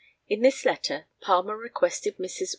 In this letter Palmer requested Messrs.